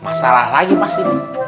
masalah lagi pasti